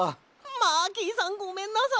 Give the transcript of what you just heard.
マーキーさんごめんなさい！